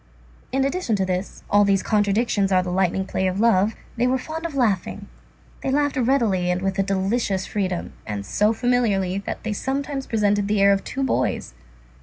And, in addition to this,—all these contradictions are the lightning play of love,—they were fond of laughing, they laughed readily and with a delicious freedom, and so familiarly that they sometimes presented the air of two boys.